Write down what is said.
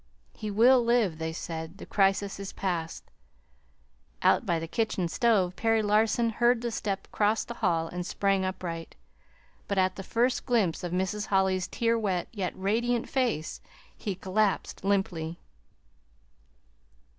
"He will live," they said. "The crisis is passed." Out by the kitchen stove Perry Larson heard the step cross the hall and sprang upright; but at the first glimpse of Mrs. Holly's tear wet, yet radiant face, he collapsed limply.